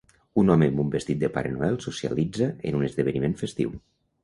Un home amb un vestit de Pare Noel socialitza en un esdeveniment festiu.